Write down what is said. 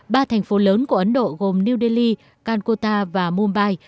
ba thành phố lớn của ấn độ gồm new delhi kanota và mumbai